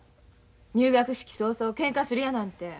入学式早々けんかするやなんて。